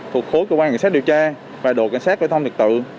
thuộc khối cơ quan kiểm soát điều tra và đội kiểm soát vệ thông thực tự